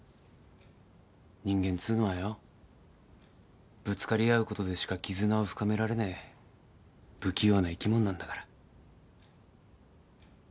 人間っつうのはよぶつかり合うことでしか絆を深められねえ不器用な生きもんなんだから。